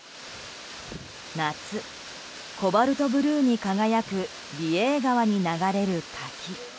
夏、コバルトブルーに輝く美瑛川に流れる滝。